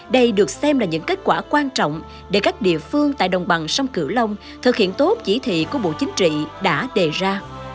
đây được xem là những kết quả quan trọng để các địa phương tại đồng bằng sông cửu long thực hiện tốt chỉ thị của bộ chính trị đã đề ra